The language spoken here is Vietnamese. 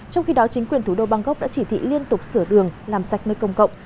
trong khi đó chính quyền thủ đô bangkok đã chỉ thị liên tục sửa đường làm sạch nơi công cộng